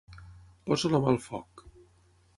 Poso la mà al foc.